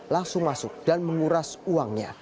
langsung masuk dan menguras uangnya